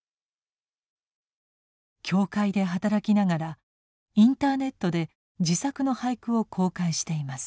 教会で働きながらインターネットで自作の俳句を公開しています。